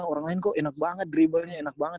orang lain kok enak banget dribblenya enak banget